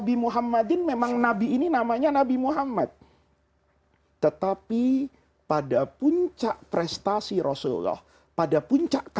nabi muhammadin memang nabi ini namanya nabi muhammad tetapi pada puncak prestasi rasulullah pada puncak